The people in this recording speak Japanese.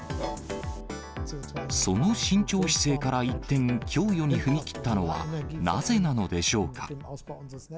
その慎重姿勢から一転、供与に踏み切ったのはなぜなのでしょうか。